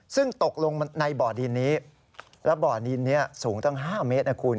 ซึ่งตกลงในบ่อดินนี้แล้วบ่อดินนี้สูงตั้ง๕เมตรนะคุณ